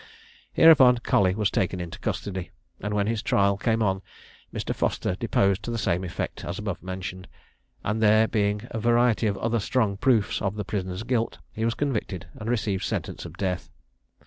Hereupon Colley was taken into custody, and when his trial came on, Mr. Foster deposed to the same effect as above mentioned; and there being a variety of other strong proofs of the prisoner's guilt, he was convicted, and received sentence of death.